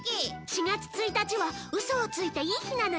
４月１日はウソをついていい日なのよね